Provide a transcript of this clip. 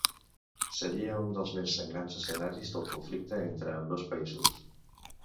Seria un dels més sagnants escenaris del conflicte entre ambdós països.